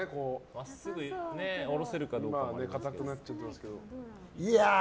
真っすぐ下ろせるかどうか。